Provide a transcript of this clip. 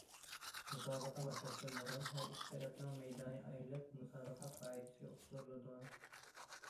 مۇسابىقە باشلاشتىن بۇرۇن ھەر ئىككى تەرەپنىڭ مەيدانى ئايرىلىپ مۇسابىقە قائىدىسى ئۇقتۇرۇلىدۇ.